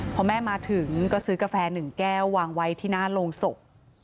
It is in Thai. พอแม่มาถึงก็ซื้อกาแฟ๑แก้ววางไว้ที่หน้าโรงศพ